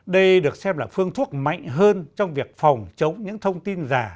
đây được xem là phương thuốc mạnh hơn trong việc phòng chống những thông tin giả